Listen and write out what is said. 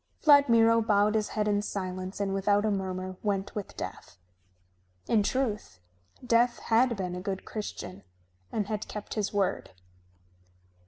Vladmiro bowed his head in silence and without a murmur went with Death. In truth, Death had been a good Christian and had kept his word.